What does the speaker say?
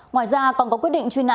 ngoài ra còn có quyết định truy nã